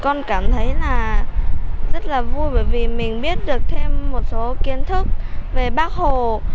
con cảm thấy là rất là vui bởi vì mình biết được thêm một số kiến thức về bác hồ